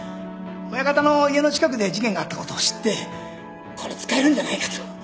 親方の家の近くで事件があったことを知ってこれ使えるんじゃないかと。